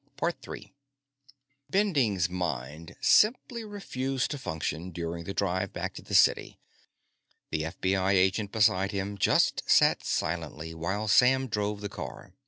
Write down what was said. "Sure." Bending's mind simply refused to function during the drive back to the city. The FBI agent beside him just sat silently while Sam drove the car.